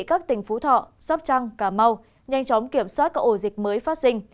các tỉnh phú thọ sóc trăng cà mau nhanh chóng kiểm soát các ổ dịch mới phát sinh